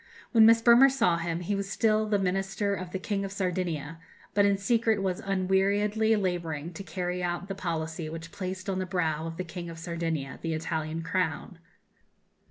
When Miss Bremer saw him, he was still the Minister of the King of Sardinia; but in secret was unweariedly labouring to carry out the policy which placed on the brow of the King of Sardinia the Italian crown.